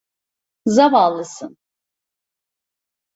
Zavallısın.